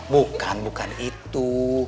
bukan bukan itu